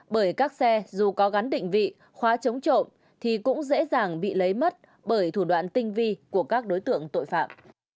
bởi các xe dù có gắn định vị khóa chống trộm thì cũng dễ dàng bị lấy mất bởi thủ đoạn tinh vi của các đối tượng tội phạm